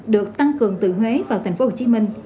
được tăng cường từ huế vào tp hcm